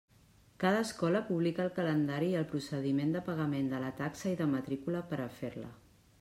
Cada escola publica el calendari i el procediment de pagament de la taxa i de matrícula per a fer-la.